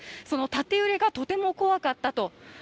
その縦揺れがとても怖かったと。